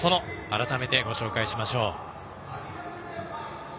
改めてご紹介しましょう。